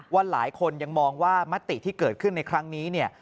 ว่าหลายคนยังมองว่ามติที่เกิดขึ้นในครั้งนี้เนี่ย